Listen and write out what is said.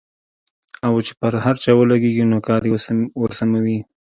او چې پر هر چا ولګېږي نو کار يې ورسموي.